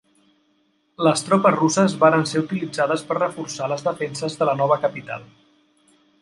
Les tropes russes varen ser utilitzades per reforçar les defenses de la nova capital.